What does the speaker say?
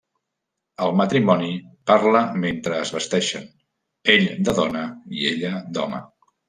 El matrimoni parla mentre es vesteixen, ell de dona i ella d'home.